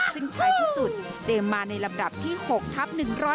ซึ่งท้ายที่สุดเจมส์มาในลำดับที่๖ทับ๑๐